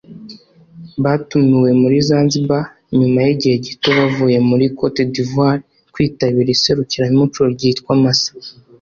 Batumiwe muri Zanzibar nyuma y’igihe gito bavuye muri Côte d’Ivoire kwitabira iserukiramuco ryitwa Massa